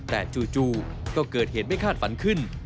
แต่จู่ก็เกิดเหตุไม่คาดฝันขึ้น